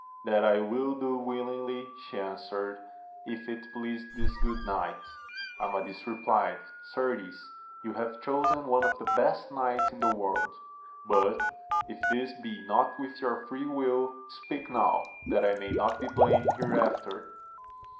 That will I do, willingly, she answered, if it please this good knight. Amadis replied, Certes, you have chosen one of the best knights in the world ; but if this be not with your free will, speak now, that I may not be blamed hereafter.